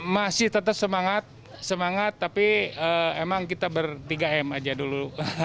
masih tetap semangat semangat tapi emang kita bertiga m aja dulu